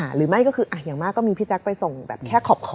หรือไม่ก็คืออย่างมากก็มีพี่แจ๊คไปส่งแบบแค่ขอบ